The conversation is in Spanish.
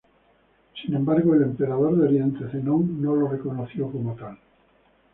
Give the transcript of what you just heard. Sin embargo, el emperador de Oriente Zenón no lo reconoció como tal.